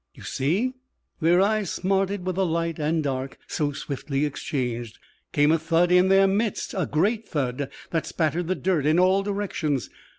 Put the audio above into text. "You see?" Their eyes smarted with the light and dark, so swiftly exchanged. Came a thud in their midst. A great thud that spattered the dirt in all directions.